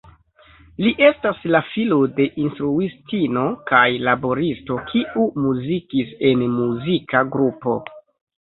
Li estas la filo de instruistino kaj laboristo kiu muzikis en muzika grupo.